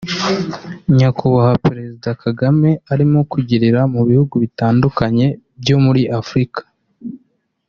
Nyakubahwa Presida Kagame arimo kugirira mu bihugu bitandukanye byo muri Afrika